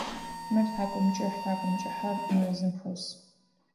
Мыр тхьакӏумкӏыхь, тхьакӏумкӏыхьэр мэзым хэс.